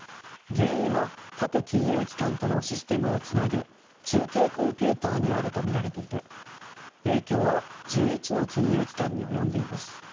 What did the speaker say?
原因は各金融機関とのシステムをつなぐ中継コンピューターにあるとみられていて影響は１１の金融機関に及んでいます。